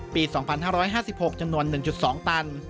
ปี๒๕๕๖จำนวน๑๒ตัน